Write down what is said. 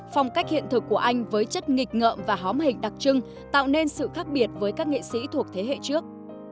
phong cách hiện thực của anh với chất nghịch ngợm và hóm hình đặc trưng tạo nên sự khác biệt với các nghệ sĩ thuộc thế hệ trước